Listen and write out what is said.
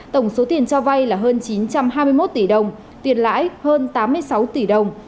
tổng số tiền cho vay là hơn chín trăm hai mươi một tỷ đồng tiền lãi hơn tám mươi sáu tỷ đồng